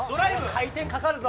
回転かかるぞ！